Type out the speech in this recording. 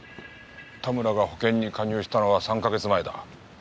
田村が保険に加入したのは３か月前だ。